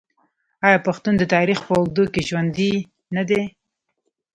آیا پښتون د تاریخ په اوږدو کې ژوندی نه دی؟